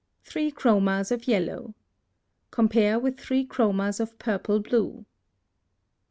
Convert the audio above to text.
THREE CHROMAS of YELLOW. Compare with three chromas of purple blue.